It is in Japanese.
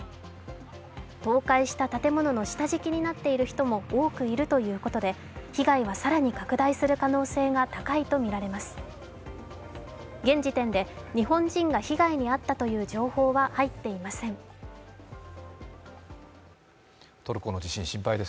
倒壊した建物の下敷きになっている人も多くいるということで被害は更に拡大する可能性が高いとみられます。